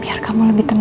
biar kamu lebih tenang